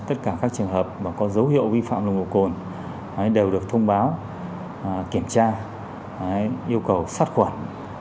tất cả các trường hợp có dấu hiệu vi phạm nồng độ cồn đều được thông báo kiểm tra yêu cầu sát khuẩn